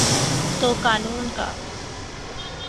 تو قانون کا۔